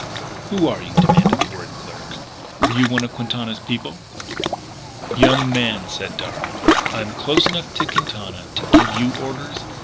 "Who are you?" demanded the worried clerk. "Are you one of Quintana's people?" "Young man," said Darragh, "I'm close enough to Quintana to give you orders.